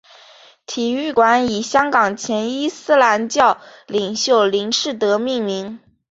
体育馆以香港前伊斯兰教领袖林士德命名。